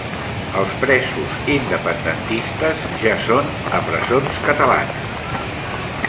Els presos independentistes ja són a presons catalanes.